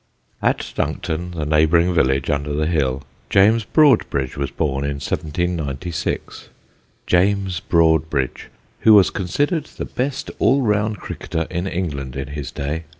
At Duncton, the neighbouring village, under the hill, James Broadbridge was born in 1796 James Broadbridge, who was considered the best all round cricketer in England in his day.